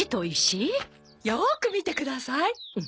よく見てください。